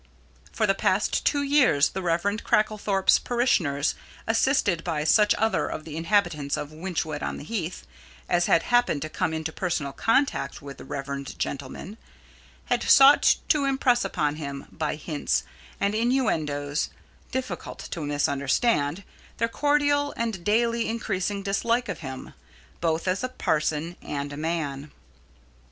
For the past two years the Rev. Cracklethorpe's parishioners, assisted by such other of the inhabitants of Wychwood on the Heath as had happened to come into personal contact with the reverend gentleman, had sought to impress upon him, by hints and innuendoes difficult to misunderstand, their cordial and daily increasing dislike of him, both as a parson and a man.